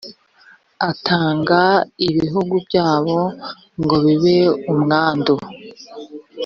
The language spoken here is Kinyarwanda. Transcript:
atanga ibihugu byabo ngo bibe umwandu